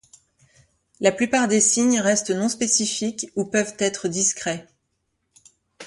La plupart des signes restent non spécifiques ou peuvent être discrets.